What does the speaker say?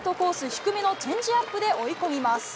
低めのチェンジアップで追い込みます。